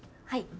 はい。